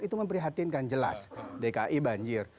itu memprihatinkan jelas dki banjir